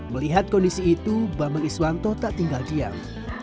melihat kondisi itu bambang iswanto tak tinggal diam